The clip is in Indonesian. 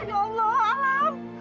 ya allah alam